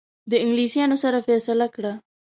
د انګلیسانو سره فیصله کړه.